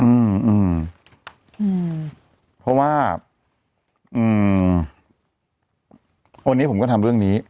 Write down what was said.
อืมอืมเพราะว่าอืมวันนี้ผมก็ทำเรื่องนี้